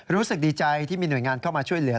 รู้สึกดีใจที่มีหน่วยงานเข้ามาช่วยเหลือ